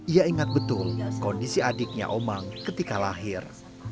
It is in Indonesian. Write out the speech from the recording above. ia ingat betul kondisi adiknya omang ketika lahir